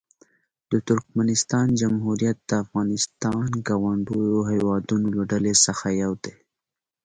د ترکمنستان جمهوریت د افغانستان ګاونډیو هېوادونو له ډلې څخه یو دی.